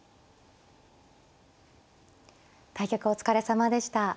対局お疲れさまでした。